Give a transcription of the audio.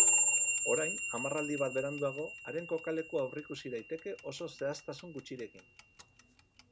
Orain, hamarraldi bat beranduago, haren kokalekua aurreikusi daiteke oso zehaztasun gutxirekin.